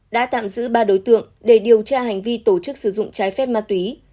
đã tạm giữ ba đối tượng để điều tra hành vi tổ chức sử dụng trái phép ma túy